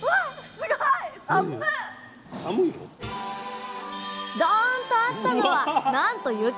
すごいどんとあったのはなんと雪。